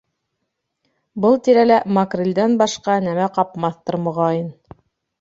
Был тирәлә макрелдән башҡа нәмә ҡапмаҫтыр, моғайын.